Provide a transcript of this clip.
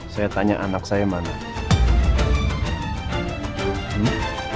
sekarang bukan waktunya saya menghadapi anda